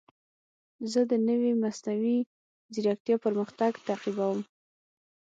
زه د نوې مصنوعي ځیرکتیا پرمختګ تعقیبوم.